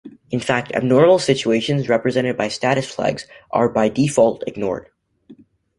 In fact, abnormal situations represented by status flags are by default ignored!